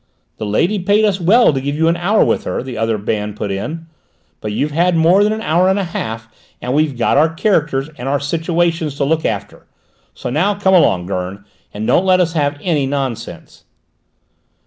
"The lady paid us well to give you an hour with her," the other man put in, "but you've had more than an hour and a half, and we've got our characters and our situations to look after. So now, come along, Gurn, and don't let us have any nonsense."